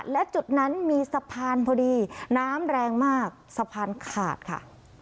และจุดนั้นมีสะพานพอดีน้ำแรงมากสะพานขาดค่ะ